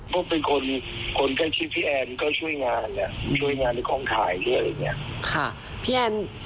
ก็เป็นคนคนใกล้ชิดพี่แอนก็ช่วยงานช่วยงานในกองถ่ายด้วยอะไรอย่างนี้